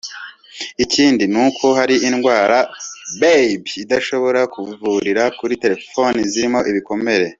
Ikindi ni uko hari indwara “Babyl” idashobora kuvurira kuri terefone zirimo ibikomere